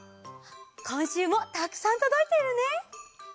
こんしゅうもたくさんとどいているね！